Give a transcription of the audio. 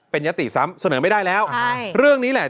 เป็นยติซ้ำเสนอไม่ได้แล้ว